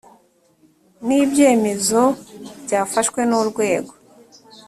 n ibyemezo byafashwe n urwego